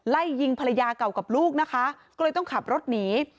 ไล่ยิงภรรยาเก่ากับลูกนะคะก็เลยต้องขับรถหนี